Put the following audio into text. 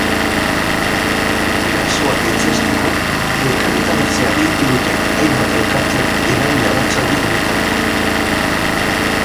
Erasoa gaitzesteko elkarretaratzea deitu dute hainbat elkartek igande arratsalde honetarako.